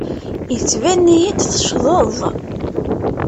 Yettban-iyi-d teccḍeḍ.